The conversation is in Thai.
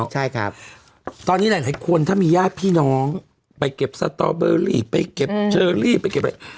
ใช่ครับตอนนี้หลายคนถ้ามีญาติพี่น้องไปเก็บสตอเบอรี่ไปเก็บเชอรี่ไปเก็บอะไร